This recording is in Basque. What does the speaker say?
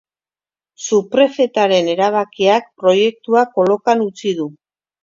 Suprefetaren erabakiak proiektua kolokan utzi du.